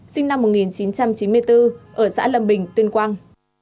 sinh năm một nghìn chín trăm chín mươi bốn ở xã lâm bình tuyên quang